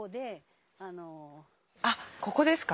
あここですか？